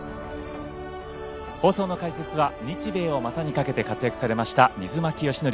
放送の解説は日米を股にかけて活躍されました水巻善典